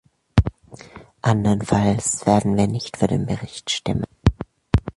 Andernfalls werden wir nicht für den Bericht stimmen.